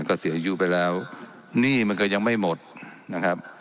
ก็เสียอายุไปแล้วหนี้มันก็ยังไม่หมดนะครับ